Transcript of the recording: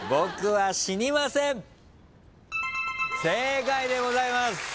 正解でございます。